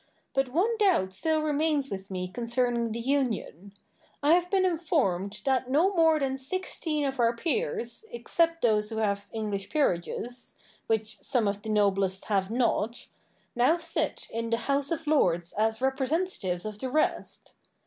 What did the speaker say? But one doubt still remains with me concerning the union. I have been informed that no more than sixteen of our peers, except those who have English peerages (which some of the noblest have not), now sit in the House of Lords as representatives of the rest.